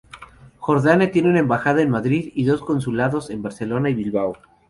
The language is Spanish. Jordania tiene una embajada en Madrid y dos consulados en Barcelona y Bilbao.